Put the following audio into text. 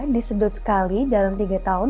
disedot sekali dalam tiga tahun